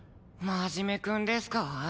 真面目くんですか？